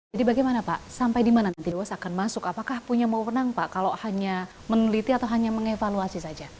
jadi bagaimana pak sampai dimana nanti dewas akan masuk apakah punya mau penang pak kalau hanya meneliti atau hanya mengevaluasi saja